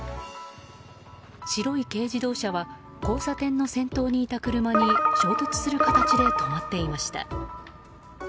白い軽自動車は交差点の先頭にいた車に衝突する形で止まっていました。